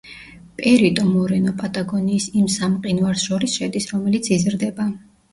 პერიტო-მორენო პატაგონიის იმ სამ მყინვარს შორის შედის, რომელიც იზრდება.